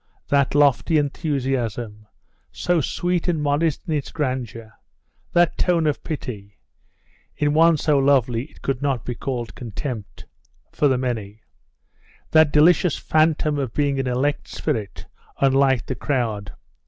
That lofty enthusiasm, so sweet and modest in its grandeur that tone of pity in one so lovely it could not be called contempt for the many; that delicious phantom of being an elect spirit, unlike the crowd....